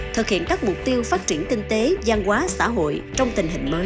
thực hiện các mục tiêu phát triển kinh tế giang hóa xã hội trong tình hình mới